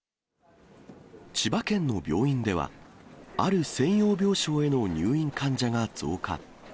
千葉県の病院では、ある専用病床への入院患者が増加。